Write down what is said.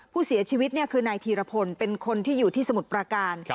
ผู้เสียชีวิตคือนายธีรพลเป็นคนที่อยู่ที่สมุทรประการ